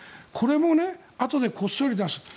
これもあとでこっそり出す。